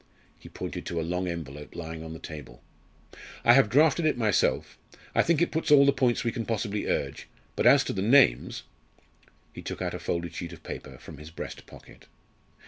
He pointed to a long envelope lying on the table. "I have drafted it myself I think it puts all the points we can possibly urge but as to the names " He took out a folded sheet of paper from his breast pocket.